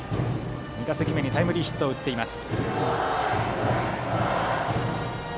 ２打席目にタイムリーヒットを打っています。